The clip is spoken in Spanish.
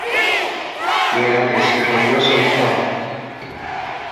¡Quiero decidirlo yo solito!